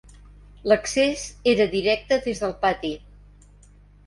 L'accés era directe des del pati.